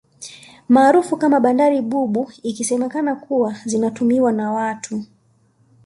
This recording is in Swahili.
Maarufu kama bandari bubu ikisemekana kuwa zinatumiwa na watu